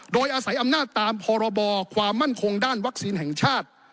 โดยอาศัยอำนาจตามพรบความมั่นคงด้านวัคซีนแห่งชาติ